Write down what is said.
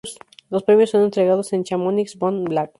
Los premios son entregados en Chamonix-Mont-Blanc.